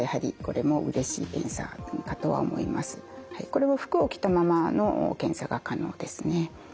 これは服を着たままの検査が可能ですね。